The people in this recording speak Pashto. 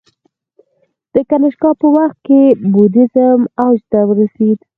د کنیشکا په وخت کې بودیزم اوج ته ورسید